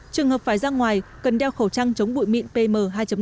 trường hợp phải ra ngoài cần đeo khẩu trang chống bụi mịn pm hai năm